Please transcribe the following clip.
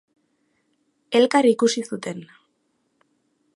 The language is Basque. Elkar ikusi zuten.